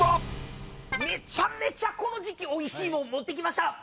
めちゃめちゃこの時季おいしいもん持ってきました！